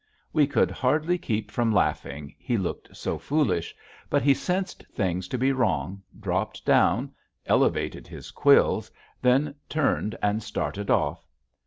We could hardly keep from laughing, he looked so foolish. But he sensed things to be wrong, dropped down, elevated his quills, then turned and started off.